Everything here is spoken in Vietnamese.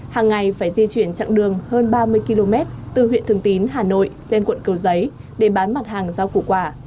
hàng ngày phải di chuyển chặng đường hơn ba mươi km từ huyện thường tín hà nội lên quận kiều giấy để bán mặt hàng giao cụ quả